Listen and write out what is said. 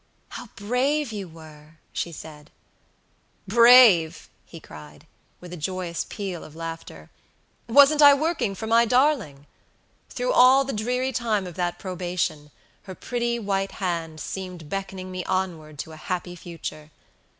"How brave you were!" she said. "Brave!" he cried, with a joyous peal of laughter; "wasn't I working for my darling? Through all the dreary time of that probation, her pretty white hand seemed beckoning me onward to a happy future!